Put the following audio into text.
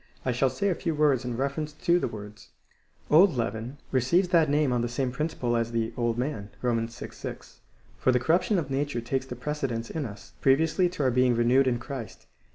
7. shall say a few words in reference to the words. Old leaven receives that name on the same principle as the old man, (Rom. vi. 6*,) for the corruption of nature takes the precedence in us, previously to our being renewed in Christ.